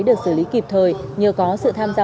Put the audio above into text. được xử lý kịp thời nhờ có sự tham gia